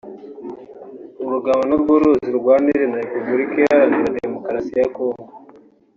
urugabano rw’uruzi rwa Nil na Repubulika Iharanira Demokarasi ya Congo